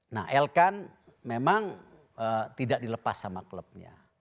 nah elkan memang tidak dilepas sama klubnya